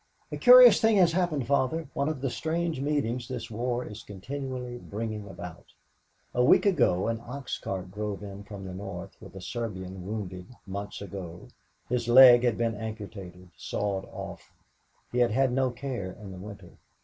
"A curious thing has happened, Father; one of the strange meetings this war is continually bringing about. A week ago an ox cart drove in from the north with a Serbian wounded months ago his leg had been amputated sawed off. He had had no care in the winter.